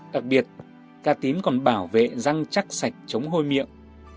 đặc biệt cà tím còn bảo vệ răng chắc sạch chống hôi miệng